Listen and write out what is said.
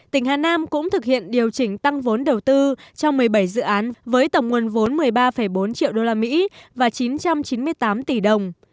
tỉnh hà nam cũng thực hiện điều chỉnh tăng vốn đầu tư trong một mươi bảy dự án với tổng nguồn vốn một mươi ba bốn triệu usd và chín trăm chín mươi tám tỷ đồng